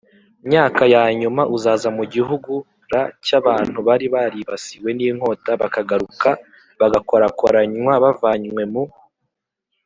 myaka ya nyuma uzaza mu gihugu r cy abantu bari baribasiwe n inkota bakagaruka bagakorakoranywa bavanywe mu